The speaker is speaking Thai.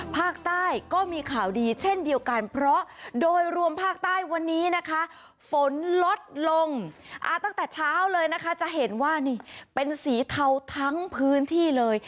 ภาคใต้ก็มีข่าวดีเช่นเดียวกันเพราะโดยรวมภาคใต้วันนี้นะคะฝนลดลงตั้งแต่เช้าเลยนะคะจะเห็นว่านี่เป็นสีเทาทั้งพื้นที่เลย